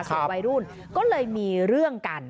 ส่วนวัยรุ่นก็เลยมีเรื่องกัน